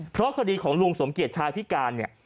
เพราะคดีของลุงสมเกียจชายพิการเนี่ย